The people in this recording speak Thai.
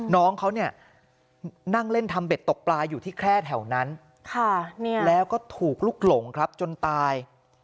น้องเขาเนี่ยนั่งเล่นทำเบ็ดตกปลาอยู่ที่แคร่แถวนั้นแล้วก็ถูกลุกหลงครับจนตาย